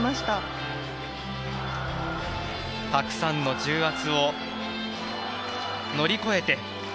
たくさんの重圧を乗り越えて。